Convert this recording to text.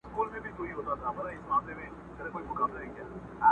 زه ولاړ یم پر ساحل باندي زنګېږم،